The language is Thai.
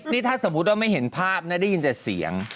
นี่ถ้าสมมุติว่าไม่เห็นภาพนะได้ยินแต่เสียง